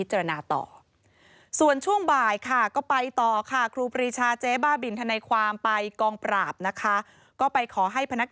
ถ้าเราไม่ได้ทำผิดจริงแล้วเราตอบอะไรเข้าไป